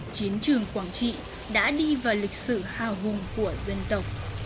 chiến trường quảng trị đã đi vào lịch sử hào hùng của dân tộc